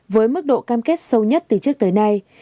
với mức độ cam kết sâu nhất từ trước tới nay